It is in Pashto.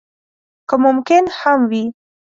که ممکن هم وي.